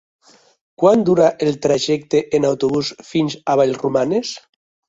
Quant dura el trajecte en autobús fins a Vallromanes?